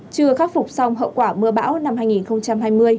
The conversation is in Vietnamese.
chưa khắc phục xong hậu quả mưa bão năm hai nghìn hai mươi